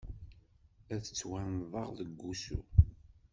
Ad ttwannḍeɣ deg usu.